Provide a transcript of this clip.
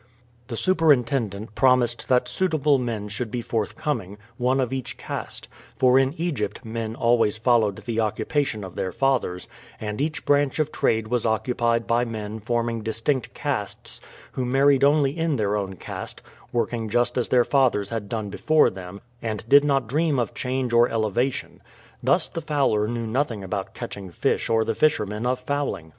The superintendent promised that suitable men should be forthcoming, one of each caste; for in Egypt men always followed the occupation of their fathers, and each branch of trade was occupied by men forming distinct castes, who married only in their own caste, worked just as their fathers had done before them, and did not dream of change or elevation. Thus the fowler knew nothing about catching fish or the fishermen of fowling.